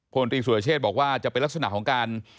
พลตรีสุรเชษบอกว่าจะเป็นลักษณะของการ